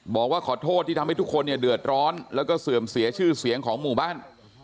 บอกว่าขอโทษที่ทำให้ทุกคนเนี่ยเดือดร้อนแล้วก็เสื่อมเสียชื่อเสียงของหมู่บ้าน